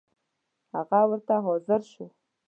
هغه ورته حاضر شو.